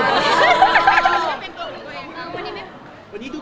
วันนี้ดูเกรงเลย